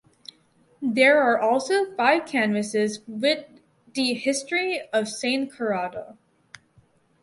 There are also five canvases with the history of St Corrado.